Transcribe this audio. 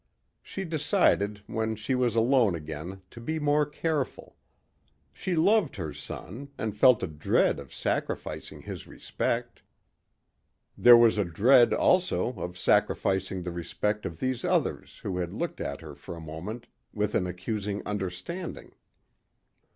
She decided when she was alone again to be more careful. She loved her son and felt a dread of sacrificing his respect. There was a dread also of sacrificing the respect of these others who had looked at her for a moment with an accusing understanding.